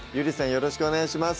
よろしくお願いします